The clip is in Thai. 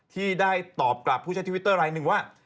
ที่ได้ตอบกลับผู้ใช้ทวิตเตอร์รายหนึ่งว่า